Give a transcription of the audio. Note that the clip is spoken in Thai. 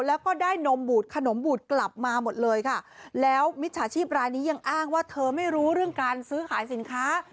แล้วก็ได้นมบูดขนมบูดกลับมาหมดเลยค่ะแล้วมิจฉาชีพรายนี้ยังอ้างว่าเธอไม่รู้เรื่องการซื้อขายสินค้า